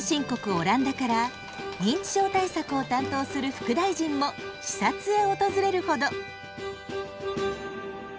オランダから認知症対策を担当する副大臣も視察へ訪れるほど。